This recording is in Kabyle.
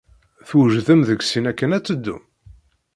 Twejdem deg sin akken ad teddum?